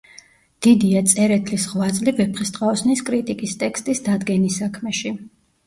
დიდია წერეთლის ღვაწლი ვეფხისტყაოსნის კრიტიკის ტექსტის დადგენის საქმეში.